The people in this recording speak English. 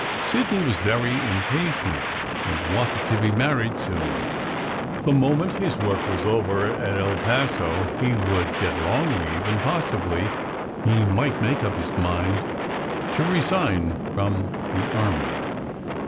"Sidney" was very impatient, and wanted to be married soon. The moment his work was over at El Paso he would get long leave, and possibly he might make up his mind to resign from the army.